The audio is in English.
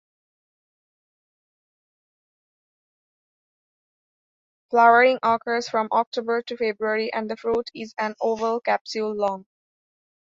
Flowering occurs from October to February and the fruit is an oval capsule long.